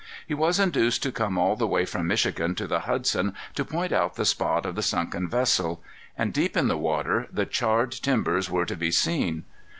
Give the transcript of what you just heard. He was induced to come all the way from Michigan to the Hudson to point out the spot of the sunken vessel. And deep in the water the charred timbers were to be seen.